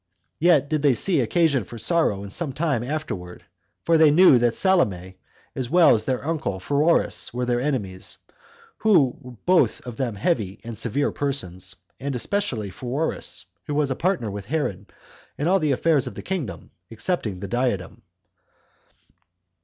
Yet did they see occasion for sorrow in some time afterward; for they knew that Salome, as well as their uncle Pheroras, were their enemies; who were both of them heavy and severe persons, and especially Pheroras, who was a partner with Herod in all the affairs of the kingdom, excepting his diadem.